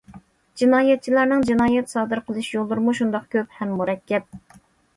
جىنايەتچىلەرنىڭ جىنايەت سادىر قىلىش يوللىرىمۇ شۇنداق كۆپ ھەم مۇرەككەپ.